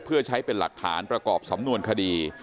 เพื่อใช้เป็นหลักฐานประกอบสำนวนคดี